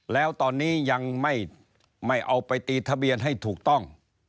แล้วตอนนี้ยังไม่เอาไปตีทะเบียนให้ถูกต้อง